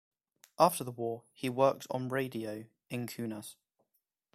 After the war, he worked on radio in Kaunas.